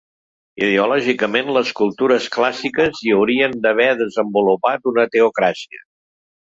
Ideològicament, les cultures clàssiques hi haurien d'haver desenvolupat una teocràcia.